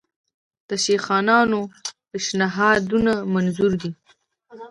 د شیخانانو پېشنهادونه منظور دي.